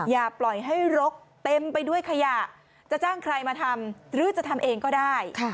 อย่าปล่อยให้รกเต็มไปด้วยขยะจะจ้างใครมาทำหรือจะทำเองก็ได้